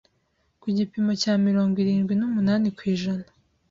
ku gipimo cya mirongo irindwi numunani kw’ijana